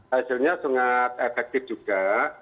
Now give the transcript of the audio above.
hasilnya sangat efektif juga